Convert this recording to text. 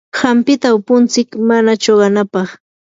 hampita upuntsik mana chuqanapaq.